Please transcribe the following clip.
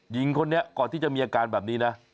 หญิงคนนี้ก่อนที่จะมีอาการแบบนี้นะ